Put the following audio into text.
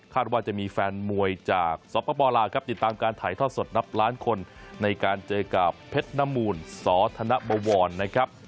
ว่าจะมีแฟนมวยจากสปลาวครับติดตามการถ่ายทอดสดนับล้านคนในการเจอกับเพชรนมูลสธนบวรนะครับ